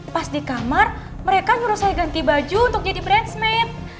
pas di kamar mereka nyuruh saya ganti baju untuk jadi brands made